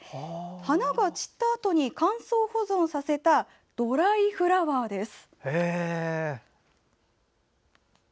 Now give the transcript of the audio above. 花が散ったあとに乾燥保存させたドライフラワーです。